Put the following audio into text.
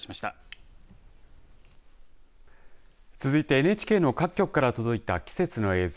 続いてＮＨＫの各局から届いた季節の映像。